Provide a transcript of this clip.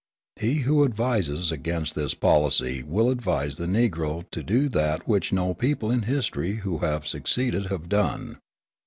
He who advises against this policy will advise the Negro to do that which no people in history who have succeeded have done.